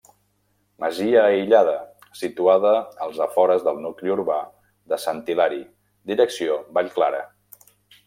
Masia aïllada, situada als afores del nucli urbà de Sant Hilari, direcció Vallclara.